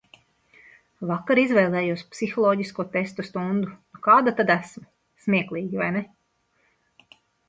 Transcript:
Vakar izvēlējos psiholoģisko testu stundu, nu kāda tad esmu. Smieklīgi, vai ne?